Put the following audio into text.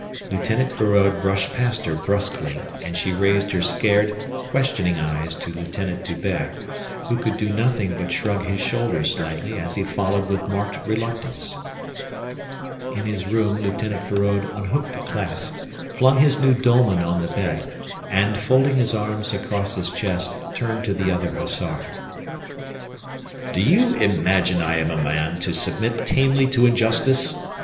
Lieutenant Feraud brushed past her brusquely and she raised her scared, questioning eyes to Lieutenant D'Hubert, who could do nothing but shrug his shoulders slightly as he followed with marked reluctance. In his room Lieutenant Feraud unhooked the clasp, flung his new dolman on the bed, and folding his arms across his chest, turned to the other hussar. "Do you imagine I am a man to submit tamely to injustice?"